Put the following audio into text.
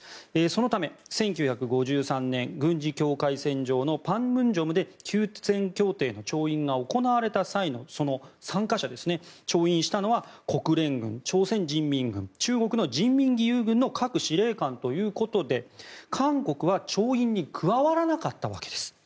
そのため、１９５３年軍事境界線上のパンムンジョムで休戦協定の調印が行われた際の参加者調印したのは国連軍、朝鮮人民軍中国の人民義勇軍の各司令官ということで韓国は調印に加わらなかったわけです。